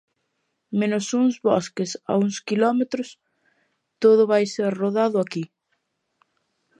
Menos uns bosques a uns quilómetros, todo vai ser rodado aquí.